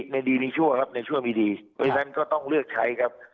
ในดีมีชั่วครับในชั่วมีดีเพราะฉะนั้นก็ต้องเลือกใช้ครับ